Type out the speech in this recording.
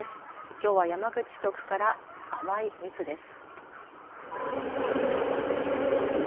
きょうは山口局から甘い蜜です。